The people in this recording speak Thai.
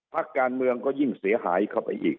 พักการเมืองก็ยิ่งเสียหายเข้าไปอีก